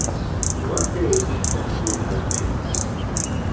Ho va fer intencionadament?